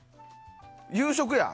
夕食や。